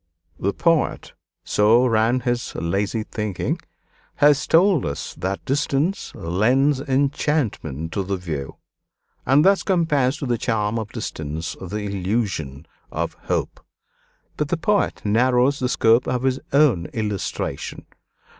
"The poet," so ran his lazy thinking, "has told us that 'distance lends enchantment to the view,' and thus compares to the charm of distance the illusion of hope. But the poet narrows the scope of his own illustration.